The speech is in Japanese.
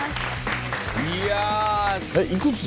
いやいくつ？